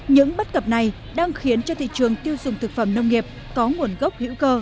những bất cập này đang khiến cho thị trường tiêu dùng thực phẩm nông nghiệp có nguồn gốc hữu cơ